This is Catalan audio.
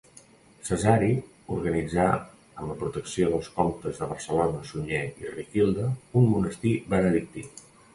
Cesari organitzà, amb la protecció dels comtes de Barcelona, Sunyer i Riquilda, un monestir benedictí.